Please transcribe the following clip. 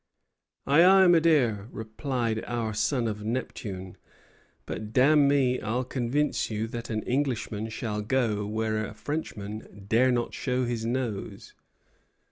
'Ay, ay, my dear,' replied our son of Neptune, 'but, damn me, I'll convince you that an Englishman shall go where a Frenchman dare not show his nose.'